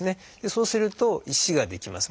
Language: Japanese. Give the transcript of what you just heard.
そうすると石が出来ます。